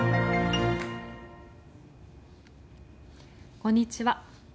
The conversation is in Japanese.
こんにちは。